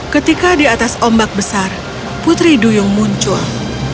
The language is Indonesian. ketika di atas ombak besar putri duyung muncul